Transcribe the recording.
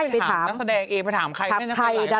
บทไก่บอกอยู่ว่า